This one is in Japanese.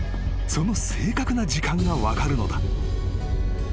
［その正確な時間が分かるのだ］